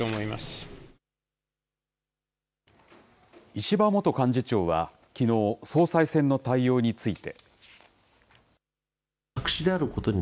石破元幹事長はきのう、総裁選の対応について。